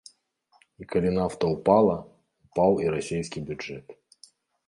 І калі нафта ўпала, упаў і расейскі бюджэт.